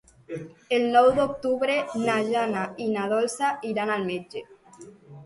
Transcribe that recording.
El nou d'octubre na Jana i na Dolça iran al metge.